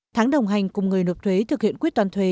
tháng đồng hành cùng người nộp thuế thực hiện quyết toán thuế